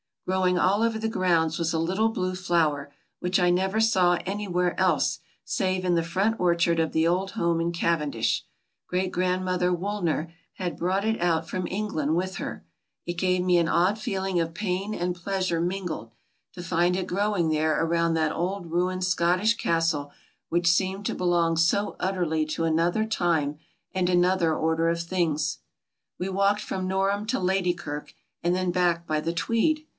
Growing all over the grounds was a litde blue flower which I never saw anywhere else save in the front orchard of the old home in Cavendish. Great grandmother Wool ner had brought it out from England with her. It gave me an odd feeling of pain and pleasure mingled, to find it growing there around that old ruined Scotdsh castle which seemed to belong so utterly to another time and another order of things. We walked from Norham to Ladykirk and then back by the Tweed.